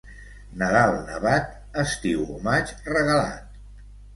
Nadal nevat, estiu o maig regalat.